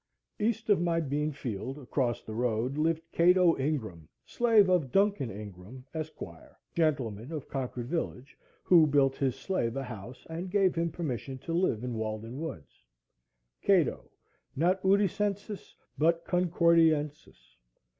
East of my bean field, across the road, lived Cato Ingraham, slave of Duncan Ingraham, Esquire, gentleman, of Concord village, who built his slave a house, and gave him permission to live in Walden Woods;—Cato, not Uticensis, but Concordiensis.